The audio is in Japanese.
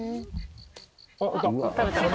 あっいった。